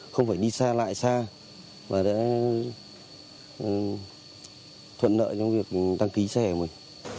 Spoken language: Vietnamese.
không phải đi xa lại xa và đã thuận lợi trong việc đăng ký xe của mình